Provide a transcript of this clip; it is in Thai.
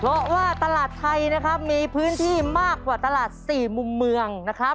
เพราะว่าตลาดไทยนะครับมีพื้นที่มากกว่าตลาดสี่มุมเมืองนะครับ